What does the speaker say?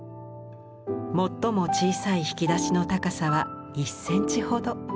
最も小さい引き出しの高さは１センチほど。